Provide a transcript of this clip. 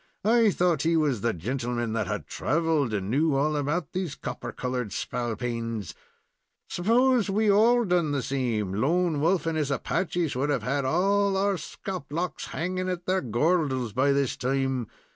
"I thought he was the gintleman that had traveled, and knew all about these copper colored spalpeens. S'pose we' all done the same, Lone Wolf and his Apaches would have had all our skulp locks hanging at their goordles by this time.